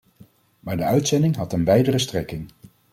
Maar de uitzending had een wijdere strekking.